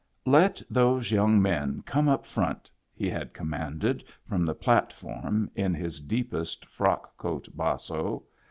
" Let those young men come up front! " he had commanded from the platform in his deepest frock coat basso.